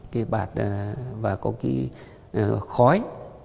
cái bạc và có cái khói